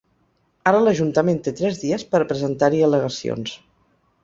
Ara l’ajuntament té tres dies per a presentar-hi al·legacions.